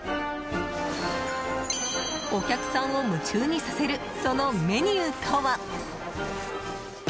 お客さんを夢中にさせるそのメニューとは？